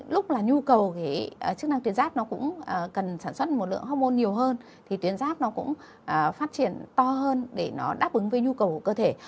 lúc là nhu cầu cái chức năng tuyến ráp nó cũng cần sản xuất một lượng hopmon nhiều hơn thì tuyến giáp nó cũng phát triển to hơn để nó đáp ứng với nhu cầu của cơ thể